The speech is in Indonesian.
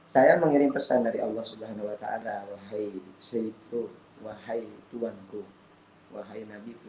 saya mengirim pesan dari allah subhanahuwata'ala worked